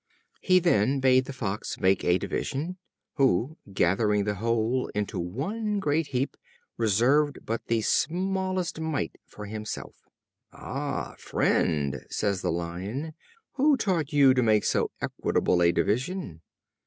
He then bade the Fox make a division; who, gathering the whole into one great heap, reserved but the smallest mite for himself. "Ah! friend," says the Lion, "who taught you to make so equitable a division?"